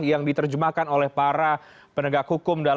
yang diterjemahkan oleh para penegak hukum